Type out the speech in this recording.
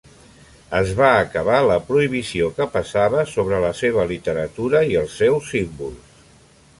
Es va acabar la prohibició que pesava sobre la seva literatura i els seus símbols.